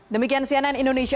demikian cnn indonesia